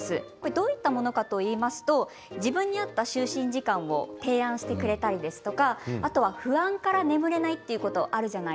どういったものかといいますと自分に合った就寝時間を提案してくれたり不安から眠れないということもありますよね。